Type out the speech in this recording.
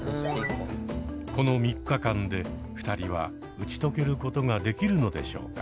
この３日間で２人は打ち解けることができるのでしょうか。